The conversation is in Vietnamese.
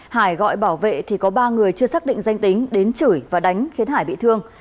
hải gọi bảo vệ thì có ba người chưa xác định danh tính đến chửi và đánh khiến hải bị thương